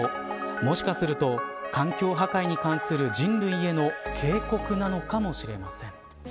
もしかすると環境破壊に関する人類への警告なのかもしれません。